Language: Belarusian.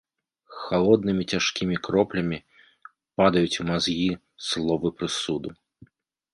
Халоднымі цяжкімі кроплямі падаюць у мазгі словы прысуду.